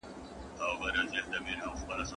هر څه توازن غواړي.